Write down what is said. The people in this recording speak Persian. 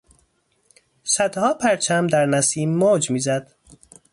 صدها پرچم در نسیم موج میزد.